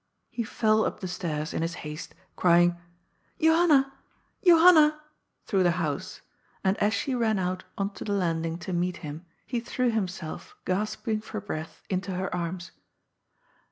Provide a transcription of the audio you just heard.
He fell up the stairs in his haste, crying ^Johanna! Johanna !'* through the house, and as she ran out on to the landing to meet him, he threw himself, gasping for breath, into her arms.